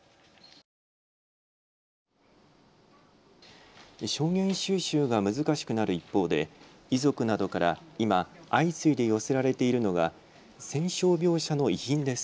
証言収集が難しくなる一方で遺族などから今、相次いで寄せられているのが戦傷病者の遺品です。